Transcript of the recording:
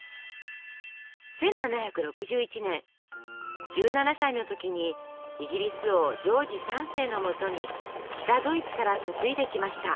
１７６１年１７歳の時にイギリス王ジョージ３世のもとに北ドイツから嫁いできました。